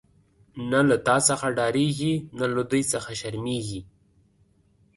نه له تا څخه ډاریږی، نه له دوی څخه شرمیږی